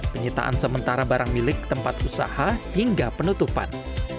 penyitaan sementara barang milik tempat usaha hingga penutupan